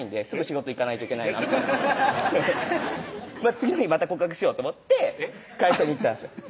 次の日また告白しようと思って会社に行ったんですよ